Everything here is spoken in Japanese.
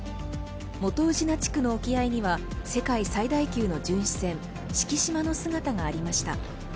元宇品地区の沖合には世界最大級の巡視船「しきしま」の姿がありました。